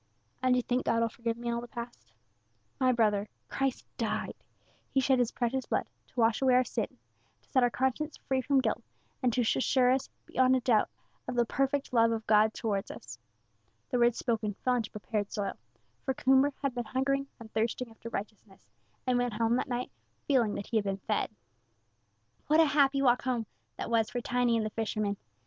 "And you think God will forgive me all the past?" "My brother, Christ died He shed His precious blood, to wash away our sin, to set our conscience free from guilt, and to assure us beyond a doubt of the perfect love of God towards us." The words spoken fell into prepared soil, for Coomber had been hungering and thirsting after righteousness, and he went home that night feeling that he had been fed. What a happy walk home that was for Tiny and the fisherman!